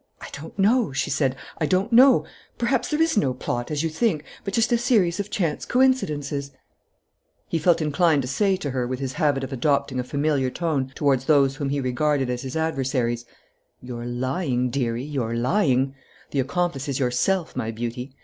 "I don't know," she said, "I don't know. Perhaps there is no plot, as you think, but just a series of chance coincidences " He felt inclined to say to her, with his habit of adopting a familiar tone toward those whom he regarded as his adversaries: "You're lying, dearie, you're lying. The accomplice is yourself, my beauty.